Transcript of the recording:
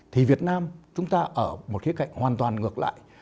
thì việt nam chúng ta ở một khía cạnh hoàn toàn ngược lại